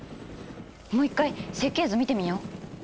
もう一回設計図見てみよう。